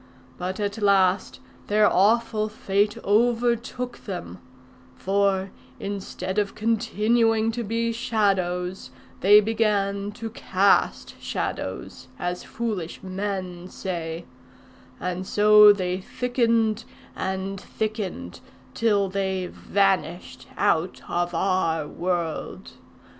But at last their awful fate overtook them; for, instead of continuing to be Shadows, they began to cast shadows, as foolish men say; and so they thickened and thickened till they vanished out of our world.